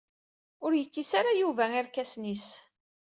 Ur yekkis ara Yuba irkasen-is.